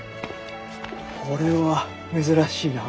これは珍しいな。